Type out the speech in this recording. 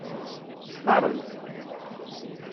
Xtaṛen-k?